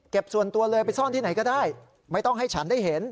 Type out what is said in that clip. ส่วนตัวเลยไปซ่อนที่ไหนก็ได้ไม่ต้องให้ฉันได้เห็น